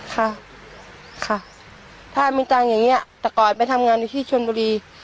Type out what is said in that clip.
ค่ะถ้ามีตังค์อย่างเงี้ยแต่ก่อนไปทำงานในที่ชวนบุรี